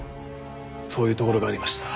そういうところがありました。